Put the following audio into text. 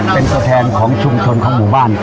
เป็นตัวแทนของชุมชนของหมู่บ้าน